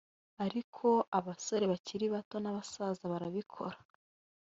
ariko abasore bakiri bato n’abasaza barabikora